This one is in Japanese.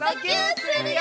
するよ！